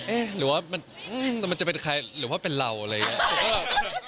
หรือว่ามันจะเป็นใครหรือว่าเป็นเราอะไรอย่างนี้